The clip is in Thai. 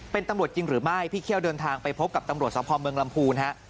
เป็นตำรวจจริงหรือไม่พี่เคี่ยวเดินทางไปพบกับตำรวจสภเมืองลำพูนฮะ